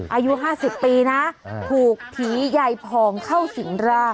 อายุ๕๐ปีนะถูกผียายพองเข้าสิงร่าง